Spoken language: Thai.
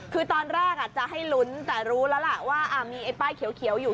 คือตอนแรกจะให้ลุ้นแต่รู้แล้วล่ะว่ามีไอ้ป้ายเขียวอยู่